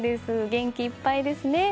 元気いっぱいですね。